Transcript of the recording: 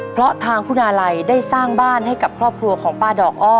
เพราะทางคุณอาลัยได้สร้างบ้านให้กับครอบครัวของป้าดอกอ้อ